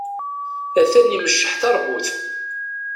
Atan imecceḥ tarbut.